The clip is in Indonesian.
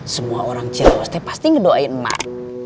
semua orang ciraos pasti ngedoain mak